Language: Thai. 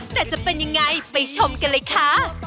แต่จะเป็นยังไงไปชมกันเลยค่ะ